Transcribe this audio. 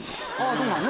そうなのね！